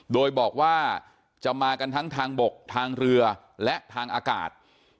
โดยบอกว่าจะมากันทั้งทางบกทางเรือและทางอากาศ